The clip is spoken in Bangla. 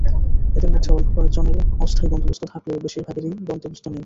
এদের মধ্যে অল্প কয়েকজনের অস্থায়ী বন্দোবস্ত থাকলেও বেশির ভাগেরই বন্দোবস্ত নেই।